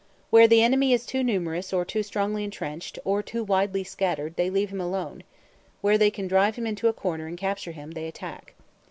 Where the enemy is too numerous, or too strongly entrenched, or too widely scattered, they leave him alone; where they can drive him into a corner and capture him, they attack.